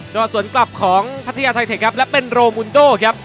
จอดสวนกลับของพัทยาไทเทคครับและเป็นโรมุนโดครับ